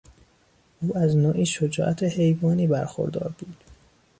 او از نوعی شجاعت حیوانی برخوردار بود.